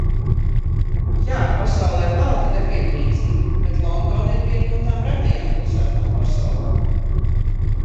Jā, pasaulē valda nevienlīdzība, bet Londona ir viena no tām retajām pilsētām pasaulē.